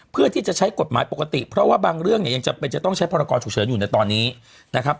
เพื่อที่จะใช้กฎหมายปกติเพราะว่าบางเรื่องเนี่ยยังจำเป็นจะต้องใช้พรกรฉุกเฉินอยู่ในตอนนี้นะครับ